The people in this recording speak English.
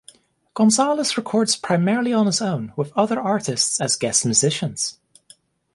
Gonzalez records primarily on his own, with other artists as guest musicians.